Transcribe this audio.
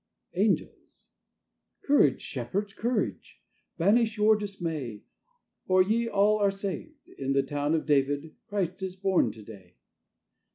(Angels)Courage, Shepherds, courage! Banish your dismay, For ye all are saved.In the town of DavidChrist is born to day.